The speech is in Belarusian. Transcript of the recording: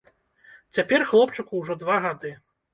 Цяпер хлопчыку ўжо два гады.